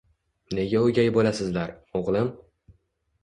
— Nega o'gay bo'lasizlar, o'g'lim?